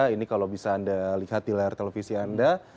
ini kalau bisa anda lihat di layar televisi anda